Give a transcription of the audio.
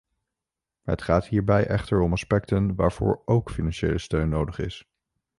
Het gaat hierbij echter om aspecten waarvoor ook financiële steun nodig is.